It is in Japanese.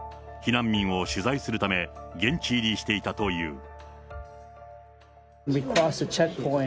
避難民を取材するため、現地入りしていたという。